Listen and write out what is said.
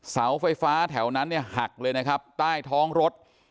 เสาไฟฟ้าแถวนั้นเนี่ยหักเลยนะครับใต้ท้องรถ